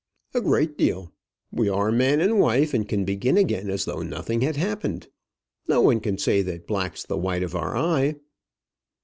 "A great deal. We are man and wife, and can begin again as though nothing had happened. No one can say that black's the white of our eye.